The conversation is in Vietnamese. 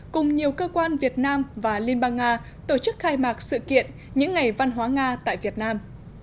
cùng nhiều cơ quan việt nam và liên bang nga tổ chức khai mạc sự kiện những ngày văn hóa nga tại việt nam